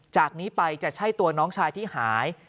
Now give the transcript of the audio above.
จากนี้ไปจะใช่ตัวน้องชายที่หาย